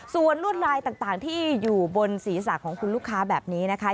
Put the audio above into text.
ส่วนลวดลายต่างที่อยู่บนศีรษะของคุณลูกค้าแบบนี้นะคะ